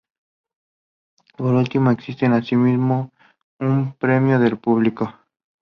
Por último, existe asimismo un premio del público.